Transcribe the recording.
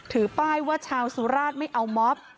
ถือป้ายว่าชาวสุราชไม่เอาม็อบ